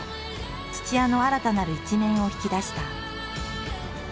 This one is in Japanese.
土屋の新たなる一面を引き出した。